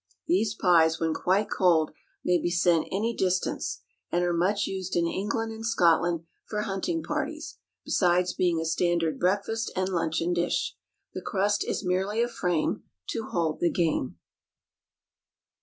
These pies, when quite cold, may be sent any distance, and are much used in England and Scotland for hunting parties, besides being a standard breakfast and luncheon dish. The crust is merely a frame to hold the game.